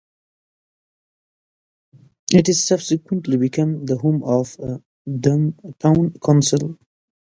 It subsequently became the home of Thame Town Council.